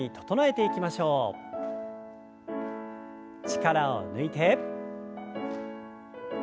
力を抜いて。